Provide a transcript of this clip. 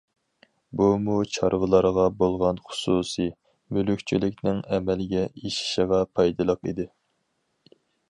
بۇمۇ چارۋىلارغا بولغان خۇسۇسىي مۈلۈكچىلىكنىڭ ئەمەلگە ئېشىشىغا پايدىلىق ئىدى.